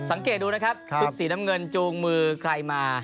สังเกตดูนะครับชุดสีน้ำเงินจูงมือใครมา